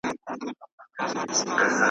د ده ټول ښکلي ملګري یو په یو دي کوچېدلي .